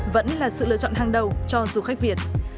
vẫn là sự lựa chọn hàng đầu cho du khách việt